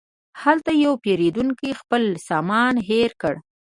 هلته یو پیرودونکی خپل سامان هېر کړ.